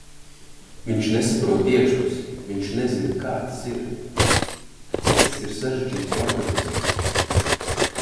Viņš nesaprot iekšpusi, viņš nezina, kā tas ir. Cik tas ir sarežģīts organisms.